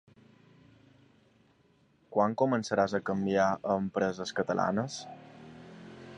Quan començaràs a canviar a empreses catalanes?